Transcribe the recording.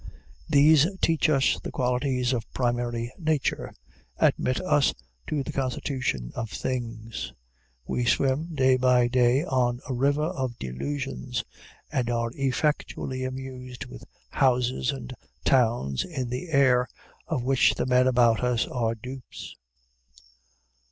These teach us the qualities of primary nature admit us to the constitution of things. We swim, day by day, on a river of delusions, and are effectually amused with houses and towns in the air, of which the men about us are dupes.